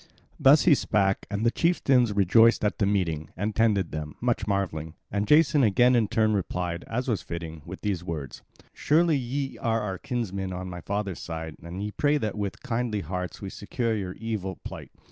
Thus he spake, and the chieftains rejoiced at the meeting, and tended them, much marvelling. And Jason again in turn replied, as was fitting, with these words: "Surely ye are our kinsmen on my father's side, and ye pray that with kindly hearts we succour your evil plight.